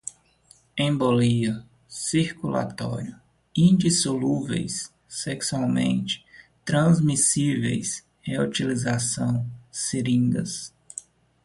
embolia, circulatório, indissolúveis, sexualmente, transmissíveis, reutilização, seringas